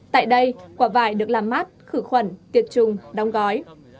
tại đây quả vải được làm mát khử khuẩn tiệt trùng đóng gói